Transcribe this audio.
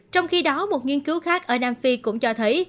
trong khi đó một nghiên cứu khác ở nam phi cũng cho thấy